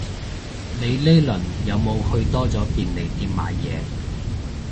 你呢輪有冇去多咗便利店買嘢